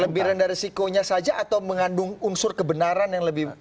lebih rendah risikonya saja atau mengandung unsur kebenaran yang lebih